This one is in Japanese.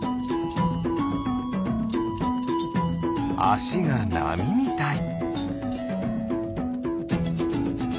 あしがなみみたい。